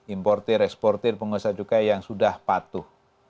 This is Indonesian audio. importer eksportir pengusaha cukai yang sudah patuh